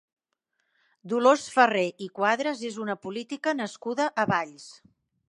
Dolors Farré i Cuadras és una política nascuda a Valls.